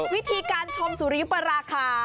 วิธีการชมสุริยุปราคา